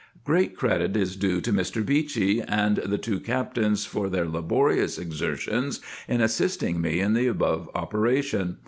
Great credit is due to Mr. Beechey, and the two Captains, for their laborious exertions in assisting me in the above operation.